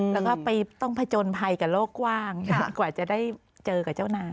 แล้วก็ต้องผจญภัยกับโลกกว้างจนกว่าจะได้เจอกับเจ้านา